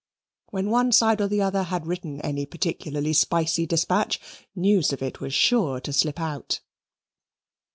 When one side or the other had written any particularly spicy dispatch, news of it was sure to slip out.